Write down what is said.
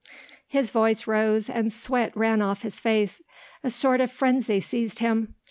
His voice rose, and sweat ran off his face. A sort of frenzy seized him.